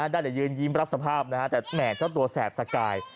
ได้แต่ยืนยิ้มรับสภาพนะฮะแต่แหม่เจ้าตัวแสบสกาย